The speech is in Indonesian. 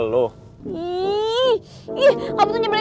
lu sudah ngerti